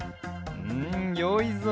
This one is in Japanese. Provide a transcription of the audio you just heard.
うんよいぞ。